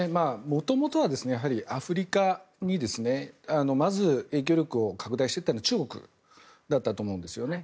元々はアフリカにまず、影響力を拡大していったのは中国だと思うんですね。